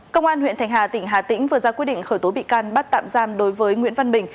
công an huyện thạch hà tỉnh hà tĩnh vừa ra quyết định khởi tố bị can bắt tạm giam đối với nguyễn văn bình